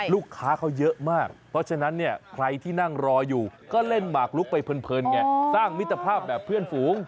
ลูกค้าเขาเยอะมากเพราะฉะนั้นเนี่ยใครที่นั่งรออยู่ก็เล่นหมากลุกไปเพลินไงสร้างมิตรภาพแบบเพื่อนฝูง